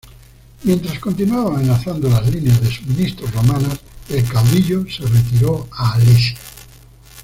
Mientras continuaba amenazando las líneas de suministros romanas, el caudillo se retiró a Alesia.